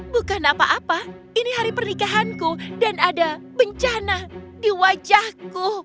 bukan apa apa ini hari pernikahanku dan ada bencana di wajahku